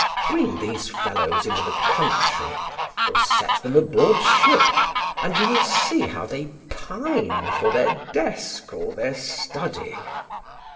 Bring these fellows into the country, or set them aboard ship, and you will see how they pine for their desk or their study.